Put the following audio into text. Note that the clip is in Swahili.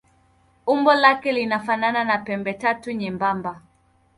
Umbo lake linafanana na pembetatu nyembamba.